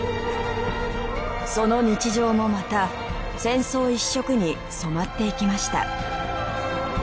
その日常もまた戦争一色に染まっていきました。